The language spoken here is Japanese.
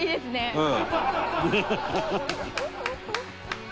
はい。